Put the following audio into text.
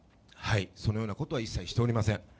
そのようなことは一切しておりません。